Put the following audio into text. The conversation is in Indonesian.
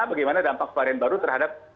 bagaimana dampak varian baru terhadap